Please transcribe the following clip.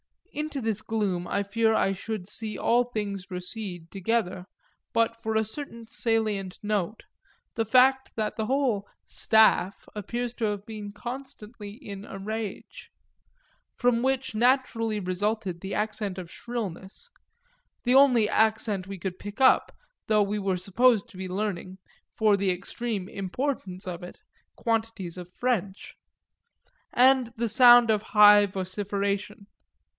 Into this gloom I fear I should see all things recede together but for a certain salient note, the fact that the whole "staff" appears to have been constantly in a rage; from which naturally resulted the accent of shrillness (the only accent we could pick up, though we were supposed to be learning, for the extreme importance of it, quantities of French) and the sound of high vociferation.